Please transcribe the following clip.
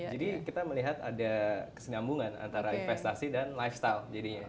jadi kita melihat ada kesengambungan antara investasi dan lifestyle jadinya